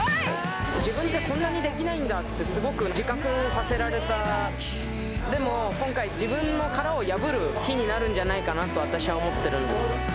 自分ってこんなにできないんだってすごく自覚させられたでも今回自分の殻を破る日になるんじゃないかなと私は思ってるんです・